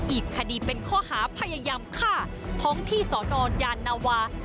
อีกคดีเป็นข้อหาพยายามฆ่าท้องที่สอนอนยานนาวา